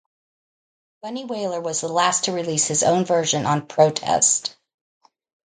Bunny Wailer was the last to release his own version on "Protest".